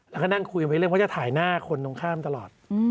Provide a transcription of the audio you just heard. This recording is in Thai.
แล้วก็นั่งคุยกันไว้เรื่องเพราะจะถ่ายหน้าคนตรงข้ามตลอด